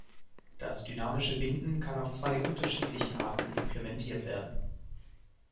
Das dynamische Binden kann auf zwei unterschiedlichen Arten implementiert werden.